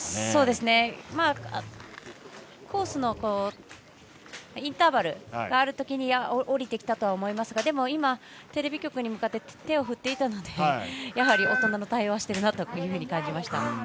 そうですね、コースのインターバルがあるときに下りてきたとは思いますがテレビ局に向かって手を振っていたのでやはり大人の対応をしているなと感じました。